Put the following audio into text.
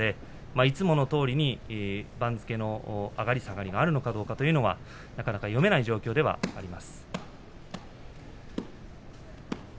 いつものとおりに番付の上がり下がりがあるのかどうかはなかなか読めない状況ではあります。